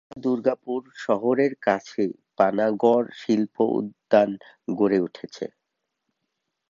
এছাড়া দুর্গাপুর শহরের কাছেই পানাগড় শিল্প উদ্যান গড়ে উঠেছে।